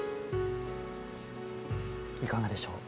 いかがでしょう？